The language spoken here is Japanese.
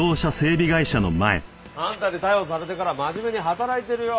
あんたに逮捕されてから真面目に働いてるよ。